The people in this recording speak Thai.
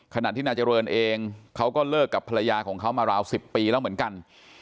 ขณะที่นายเจริญเองเขาก็เลิกกับภรรยาของเขามาราว๑๐ปีแล้วเหมือนกัน